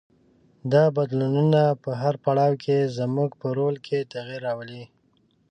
دا بدلونونه په هر پړاو کې زموږ په رول کې تغیر راولي.